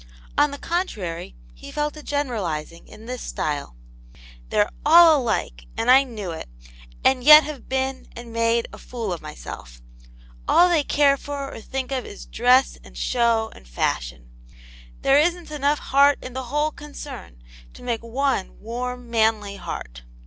On the contrary, he fell to general izing in this style :" They're all alike, and I knew it, and yet have been and made a fool of myself. All they care for or think of is dress and show and fashion. There isn't enough heart in the whole concern to make one warm, manly heart.